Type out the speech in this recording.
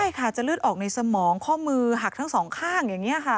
ใช่ค่ะจะเลือดออกในสมองข้อมือหักทั้งสองข้างอย่างนี้ค่ะ